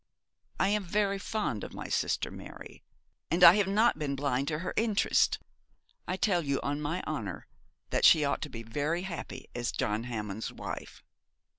I am very fond of my sister Mary, and I have not been blind to her interests. I tell you on my honour that she ought to be very happy as John Hammond's wife.'